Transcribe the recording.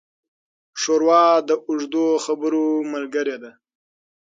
ښوروا د اوږدو خبرو ملګري ده.